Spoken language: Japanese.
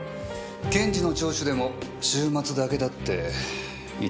検事の聴取でも週末だけだって言ってましたよね。